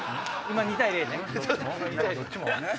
今２対０ね。